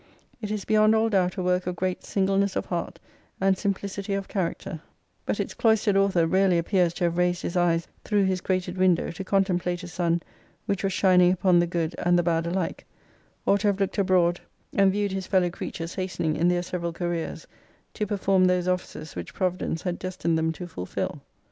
It is beyond all doubt a work of great singleness of heart and simplicity of character ; but its xiv cloistered author rarely appears to have raised his eyes through his grated window to contemplate a sun which was shining upon the good and the bad alike ; or to have looked abroad and viewed his fellow creatures, hastening, in their several careers, to perform those offices which Providence had destined them to fulfil."